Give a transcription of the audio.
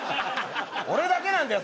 俺だけなんだよ！